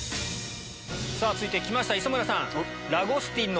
さぁ続いて来ました磯村さん。